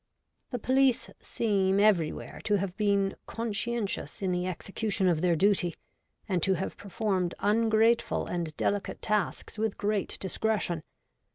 The police seem everywhere to have been conscientious in the execution of their duty, and to have performed ungrateful and delicate tasks with great discretion.